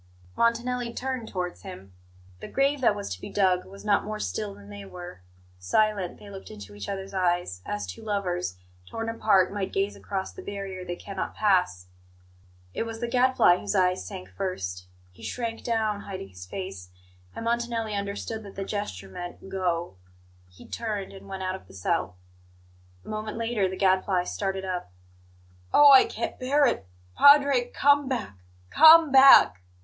Montanelli turned towards him. The grave that was to be dug was not more still than they were. Silent, they looked into each other's eyes, as two lovers, torn apart, might gaze across the barrier they cannot pass. It was the Gadfly whose eyes sank first. He shrank down, hiding his face; and Montanelli understood that the gesture meant "Go!" He turned, and went out of the cell. A moment later the Gadfly started up. "Oh, I can't bear it! Padre, come back! Come back!"